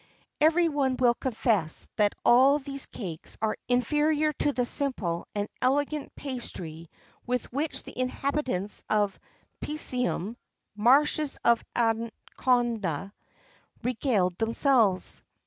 [XXIV 25] Everyone will confess that all these cakes are inferior to the simple and elegant pastry with which the inhabitants of Picenum (marshes of Ancona) regaled themselves.